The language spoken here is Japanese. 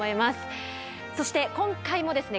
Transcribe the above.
そして今回もですね